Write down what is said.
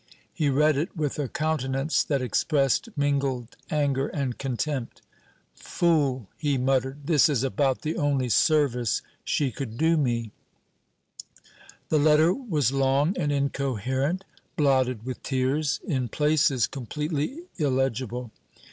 He read it with a countenance that expressed mingled anger and contempt. "Fool!" he muttered; "this is about the only service she could do me." The letter was long and incoherent; blotted with tears in places completely illegible.